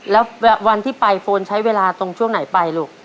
แล้ววันที่ไปโฟนใช้เวลาตรงช่วงไหนไปลูก